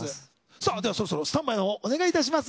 さぁではそろそろスタンバイのほうお願いいたします。